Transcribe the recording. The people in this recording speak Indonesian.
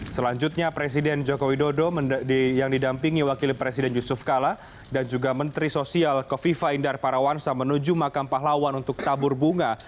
selanjutnya presiden joko widodo yang didampingi wakil presiden yusuf kala dan juga menteri sosial kofifa indar parawansa menuju makam pahlawan untuk tabur bunga